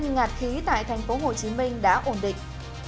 nhưng ngạt khí tại thành phố hồ chí minh đã ổn định